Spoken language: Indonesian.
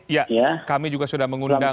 ya kami juga sudah mengundang